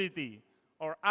asia tenggara adalah